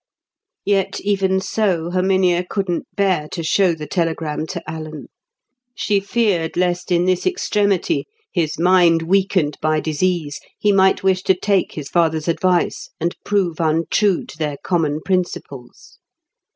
Yet even so Herminia couldn't bear to show the telegram to Alan. She feared lest in this extremity, his mind weakened by disease, he might wish to take his father's advice, and prove untrue to their common principles.